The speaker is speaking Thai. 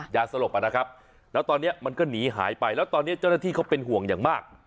ยาสลบนะครับแล้วตอนนี้มันก็หนีหายไปแล้วตอนนี้เจ้าหน้าที่เขาเป็นห่วงอย่างมาก